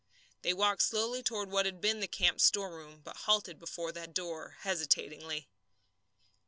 They walked slowly toward what had been the camp's storeroom, but halted before the door hesitatingly.